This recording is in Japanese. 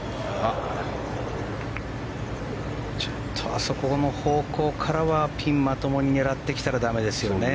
あそこの方向からはピンをまともに狙ってきたらだめですよね。